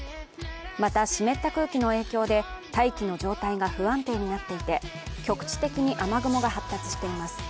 また、湿った空気の影響で大気の状態が不安定になっていて、局地的に雨雲が発達しています。